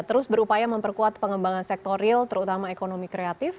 terus berupaya memperkuat pengembangan sektor real terutama ekonomi kreatif